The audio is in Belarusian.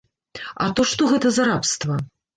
А то што гэта за рабства?!